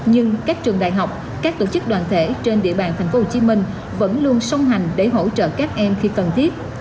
nhưng các trường đại học các tổ chức đoàn thể trên địa bàn tp hcm vẫn luôn song hành để hỗ trợ các em khi cần thiết